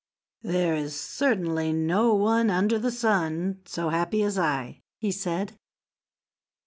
"There is certainly no one under the sun so happy as I," he said.